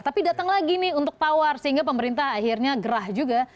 tapi datang lagi nih untuk tawar sehingga pemerintah akhirnya gerah juga